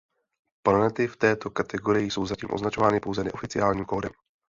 Planety v této kategorii jsou zatím označovány pouze neoficiálním kódem.